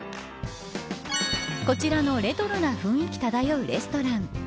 こちらのレトロな雰囲気漂うレストラン。